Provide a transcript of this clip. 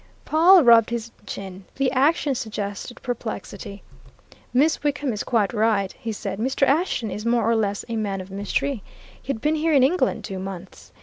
Pawle rubbed his chin; the action suggested perplexity. "Miss Wickham is quite right," he said. "Mr. Ashton is more or less a man of mystery. He had been here in England two months.